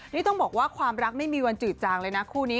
นี่ต้องบอกว่าความรักไม่มีวันจืดจางเลยนะคู่นี้